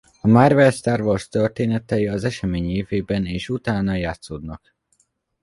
A Marvel Star Wars történetei az esemény évében és után játszódnak.